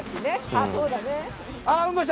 あっそうだね。